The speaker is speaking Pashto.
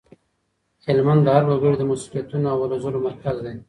هلمند د هر وګړي د مسولیتونو او هلو ځلو مرکز دی.